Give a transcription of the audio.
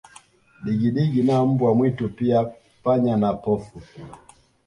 Digidigi na mbwa mwitu pia panya na pofu